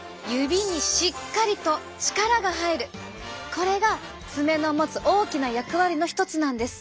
これが爪の持つ大きな役割の一つなんです。